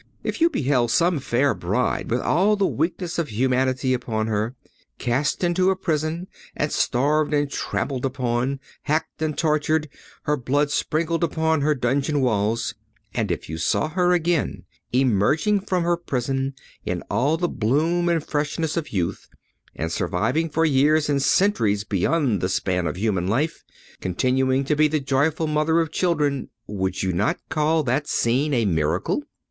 If you beheld some fair bride with all the weakness of humanity upon her, cast into a prison and starved and trampled upon, hacked and tortured, her blood sprinkled upon her dungeon walls, and if you saw her again emerging from her prison, in all the bloom and freshness of youth, and surviving for years and centuries beyond the span of human life, continuing to be the joyful mother of children, would you not call that scene a miracle?